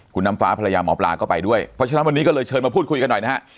คุณน้ำฟ้าภรรยาหมอปลาก็ไปด้วยเพราะฉะนั้นวันนี้ก็เลยเชิญมาพูดคุยกันหน่อยนะฮะ